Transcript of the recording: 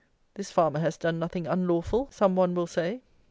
"This farmer has done nothing unlawful," some one will say.